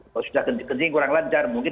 kalau sudah kencing kencing kurang lancar mungkin